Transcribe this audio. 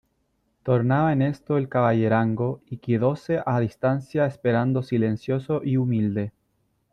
tornaba en esto el caballerango , y quedóse a distancia esperando silencioso y humilde .